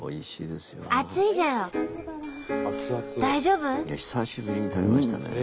スタジオ久しぶりに食べましたね。